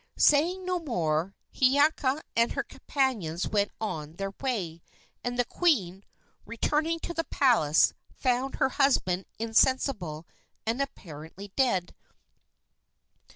Saying no more, Hiiaka and her companions went on their way, and the queen, returning to the palace, found her husband insensible and apparently dead.